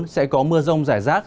sẽ có mưa rông rải rác